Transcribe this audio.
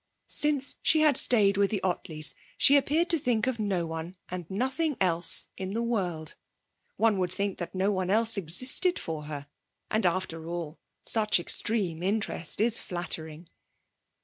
Since she had stayed with the Ottleys, she appeared to think of no one and nothing else in the world. One would think that no one else existed for her. And, after all, such extreme interest is flattering.